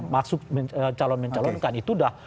masuk calon mencalon kan itu udah